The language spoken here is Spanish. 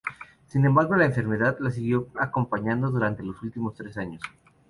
Sin embargo, la enfermedad la siguió acompañando durante los últimos tres años.